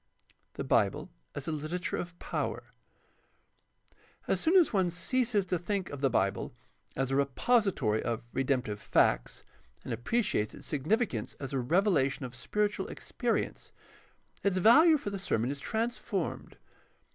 The Bible as a literature of power. — As soon as one ceases to think of the Bible as a repository of redemptive facts and appreciates its significance as a revelation of spiritual experi ence, its value for the sermon is transformed.